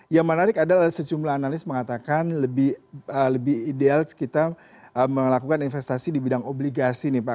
yang menarik adalah sejumlah analis mengatakan lebih ideal kita melakukan investasi di bidang obligasi nih pak